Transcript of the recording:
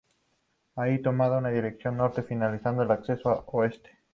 Allí toma una dirección norte finalizando en el Acceso Oeste.